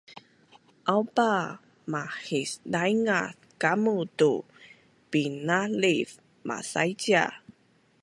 aupa mahlisdaingaz kamu tu binaliv masaicia